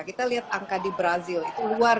kita lihat angka di brazil itu luar biasa dan sangat drastis